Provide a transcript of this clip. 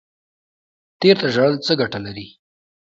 تیر ته ژړل څه ګټه لري؟